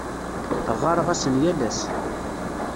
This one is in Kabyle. Ɣɣareɣ-asen yal ass.